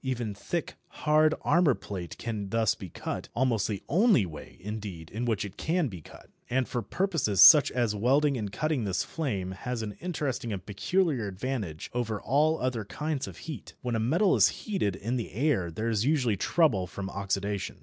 Even thick, hard armour plate can thus be cut, almost the only way, indeed, in which it can be cut. And for purposes such as welding and cutting this flame has an interesting and peculiar advantage over all other kinds of heat. When a metal is heated in the air there is usually trouble from oxidation.